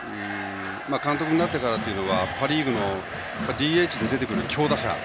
監督になってからはパ・リーグのＤＨで出てくる強打者。